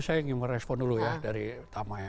saya ingin merespon dulu ya dari pertama ya